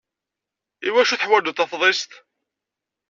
I wacu i teḥwaǧeḍ Tafḍist?